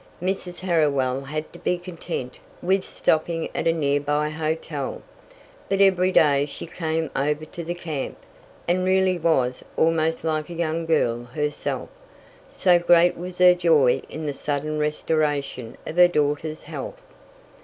Mrs. Harriwell had to be content with stopping at a nearby hotel, but every day she came over to the camp, and really was almost like a young girl herself, so great was her joy in the sudden restoration of her daughter's health.